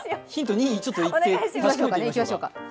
２いって確かめてみましょうか。